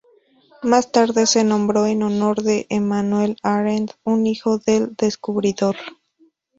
Más tarde se nombró en honor de Emmanuel Arend, un hijo del descubridor.